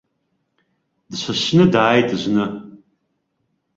Дсасны дааит зны.